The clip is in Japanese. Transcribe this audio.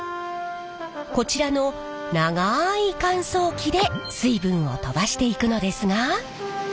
こちらの長い乾燥機で水分を飛ばしていくのですが。